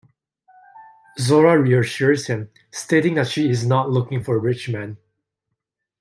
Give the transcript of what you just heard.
Zora reassures him, stating that she is not looking for a rich man.